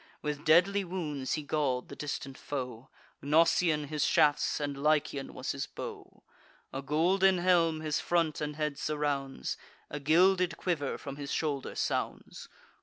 With deadly wounds he gall'd the distant foe; Gnossian his shafts, and Lycian was his bow: A golden helm his front and head surrounds A gilded quiver from his shoulder sounds.